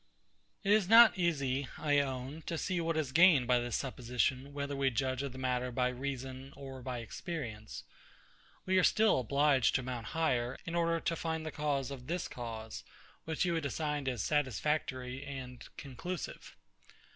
It is not easy, I own, to see what is gained by this supposition, whether we judge of the matter by Reason or by Experience. We are still obliged to mount higher, in order to find the cause of this cause, which you had assigned as satisfactory and conclusive.